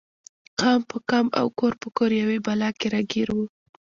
قام په قام او کور په کور یوې بلا کې راګیر و.